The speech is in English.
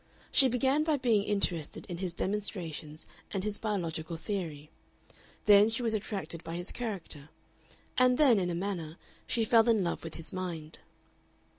She began by being interested in his demonstrations and his biological theory, then she was attracted by his character, and then, in a manner, she fell in love with his mind.